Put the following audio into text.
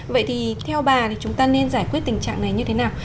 vậy thì theo bà thì chúng ta nên giải quyết tình trạng này như thế nào